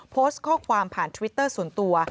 โพสต์ข้อความผ่านทวิตเตอร์ส่วนตัว